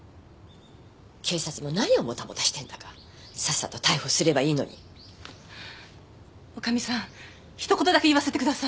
警察も何をモタモタしてんだかさっさと逮捕すればいいのに女将さんひと言だけ言わせてください